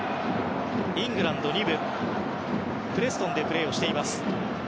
イングランド２部プレストンでプレーしています。